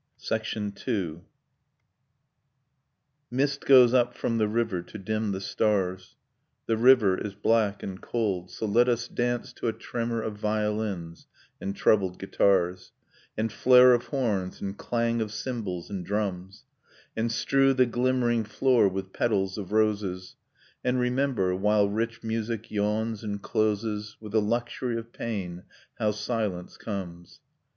[II] Nocturne of Remembered Spring II. Mist goes up from the river to dim the stars, The river is black and cold; so let us dance To a tremor of violins and troubled guitars, And flare of horns, and clang of cymbals, and drums; And strew the glimmering floor with petals of roses And remember, while rich music yawns and closes, With a luxury of pain, how silence comes.